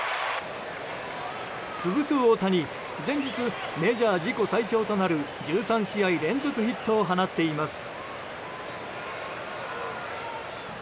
続く大谷前日、メジャー自己最長となる１３試合連続ヒットを放っています。